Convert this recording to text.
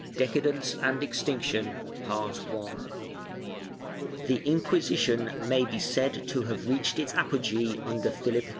DECADENCE AND EXTINCTION. The Inquisition may be said to have reached its apogee under Philip IV.